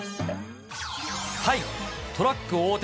タイ、トラック横転。